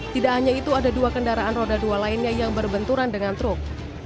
tidak hanya itu ada dua kendaraan roda dua lainnya yang berbenturan dengan truk